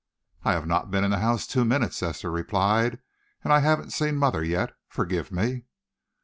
"I have not been in the house two minutes," Esther replied, "and I haven't seen mother yet. Forgive me."